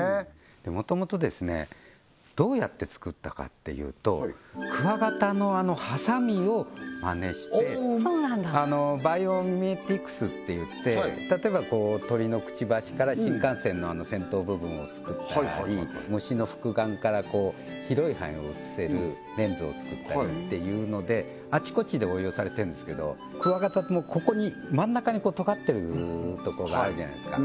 もともとどうやって作ったかというとクワガタのハサミをまねしてバイオミメティクスっていって例えば鳥のクチバシから新幹線の先頭部分を作ったり虫の複眼から広い範囲を写せるレンズを作ったりっていうのであちこちで応用されてるんですけどクワガタもここに真ん中にとがってるところがあるじゃないですか